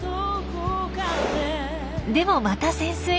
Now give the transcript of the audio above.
でもまた潜水。